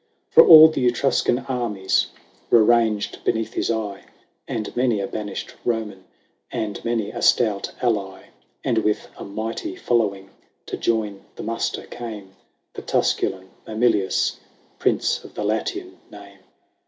XII. For all the Etruscan armies Were ranged beneath his eye. And many a banished Roman, And many a stout ally ; And with a mighty following To join the muster came The Tusculan Mamilius, Prince of the Latian name.